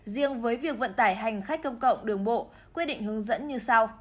riêng với việc vận tải hành khách công cộng đường bộ quy định hướng dẫn như sau